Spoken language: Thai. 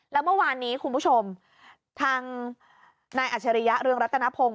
แล้วเมื่อวานนี้คุณผู้ชมทางนายอัจฉริยะเรืองรัตนพงศ